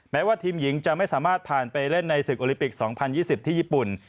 ว่าทีมหญิงจะไม่สามารถผ่านไปเล่นในศึกโอลิปิก๒๐๒๐ที่ญี่ปุ่น